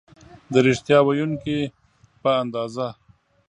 د ریښتیا ویونکي په اندازه